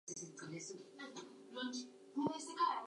"The New York Times" reported on Roosevelt's visit to the exhibit.